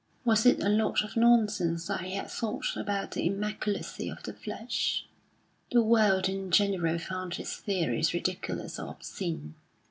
Was it a lot of nonsense that he had thought about the immaculacy of the flesh? The world in general found his theories ridiculous or obscene.